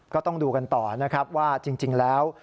ก็ต้องดูกันต่อนะครับว่าจริงแล้ว